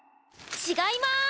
違いまーす！